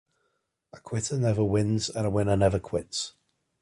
'A quitter never wins, and a winner never quits.